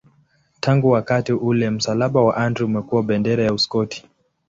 Tangu wakati ule msalaba wa Andrea umekuwa bendera ya Uskoti.